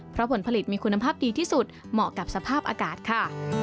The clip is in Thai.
เพราะผลผลิตมีคุณภาพดีที่สุดเหมาะกับสภาพอากาศค่ะ